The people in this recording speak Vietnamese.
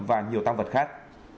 và nhiều tăng vật khác